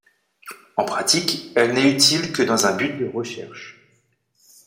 En pratique, elle n'est utile que dans un but de recherche.